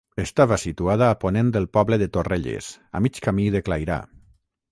Estava situada a ponent del poble de Torrelles, a mig camí de Clairà.